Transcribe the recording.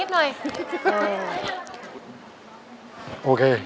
ช่วย